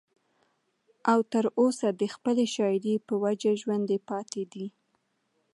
او تر اوسه د خپلې شاعرۍ پۀ وجه ژوندی پاتې دی